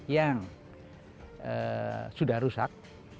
yang sudah rusak